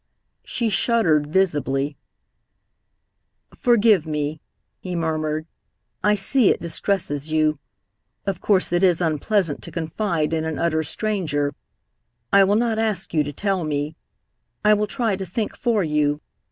She shuddered visibly. "Forgive me," he murmured. "I see it distresses you. Of course it is unpleasant to confide in an utter stranger. I will not ask you to tell me. I will try to think for you.